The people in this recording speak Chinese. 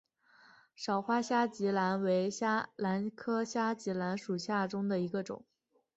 少花虾脊兰为兰科虾脊兰属下的一个种。